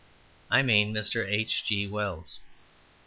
I mean Mr. H. G. Wells.